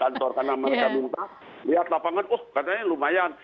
karena mereka minta lihat lapangan oh katanya lumayan